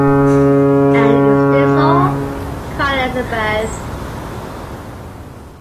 “And is this all?” cried Elizabeth.